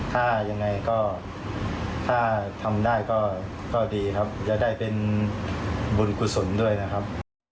ถ้ายังไงก็ถ้าทำได้ก็ดีครับจะได้เป็นบุญกุศลด้วยนะครับ